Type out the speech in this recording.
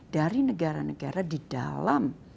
dari negara negara di dalam